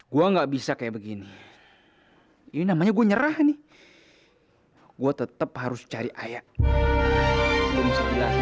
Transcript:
gua nggak bisa kayak begini ini namanya gue nyerah nih gua tetep harus cari ayah